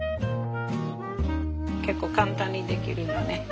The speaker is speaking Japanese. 結構簡単にできるのね。